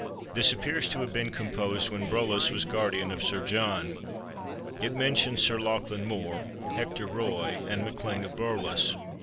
This appears to have been composed when Brolass was guardian of Sir John. It mentions Sir Lachlan Mor, Hector Roy, and MacLean of Brolass.